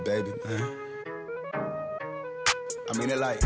kita ada games buat lo nih